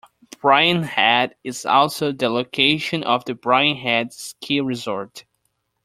Brian Head is also the location of the Brian Head Ski Resort.